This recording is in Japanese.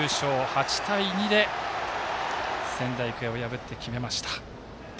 ８対２で、仙台育英を破って決めました。